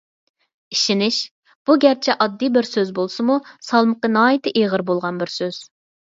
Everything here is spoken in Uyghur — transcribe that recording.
«ئىشىنىش»، بۇ گەرچە ئاددىي بىر سۆز بولسىمۇ، سالمىقى ناھايىتى ئېغىر بولغان بىر سۆز.